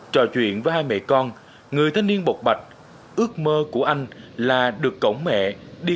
trò chuyện với hai mẹ con người thanh niên bột bạch ước mơ của anh là được cổng mẹ đi